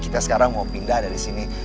kita sekarang mau pindah dari sini